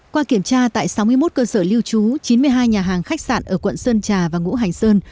qua kiểm tra tại sáu mươi một cơ sở lưu trú chín mươi hai nhà hàng khách sạn ở quận sơn trà và ngũ hành sơn